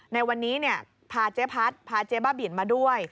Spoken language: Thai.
ในวันนี้พาเจ๊พัดพาเจ๊บ้าบินมาด้วย